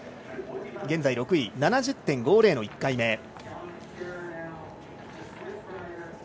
現在６位７０．５０の１回目。